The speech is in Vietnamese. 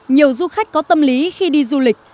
nhiều du khách có tâm lý khi đi du lịch